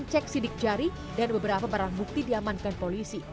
dan cek sidik jari dan beberapa barang bukti diamankan polisi